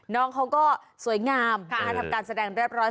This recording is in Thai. น้องเขาก็สวยงามทำการแสดงเรียบร้อย